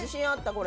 これ。